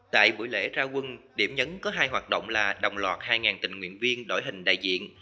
tại buổi lễ ra quân điểm nhấn có hai hoạt động là đồng loạt hai tình nguyện viên đội hình đại diện